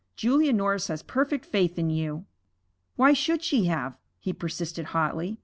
Julia Norris has perfect faith in you.' 'Why should she have?' he persisted hotly.